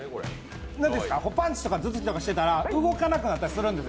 パンチとかずっとしてたら動かなくなったりするんです。